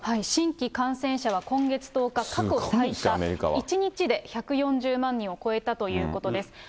新規感染者は今月１０日、過去最多１日で１４０万人を超えたということです。